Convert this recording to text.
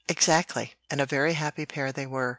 "Exactly! and a very happy pair they were.